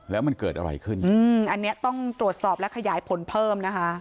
แล้วมันเกิดอะไรขึ้นอืมอันนี้ต้องตรวจสอบและขยายผลเพิ่มนะคะ